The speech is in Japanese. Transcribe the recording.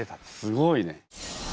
すごいね。